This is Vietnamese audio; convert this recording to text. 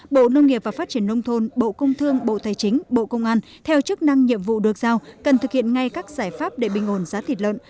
bộ nông nghiệp và phát triển nông thôn bộ công thương bộ tài chính bộ công an theo chức năng nhiệm vụ được giao cần thực hiện ngay các giải pháp để bình ổn giá thịt lợn